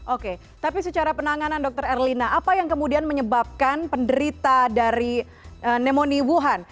oke tapi secara penanganan dr erlina apa yang kemudian menyebabkan penderita dari pneumonia wuhan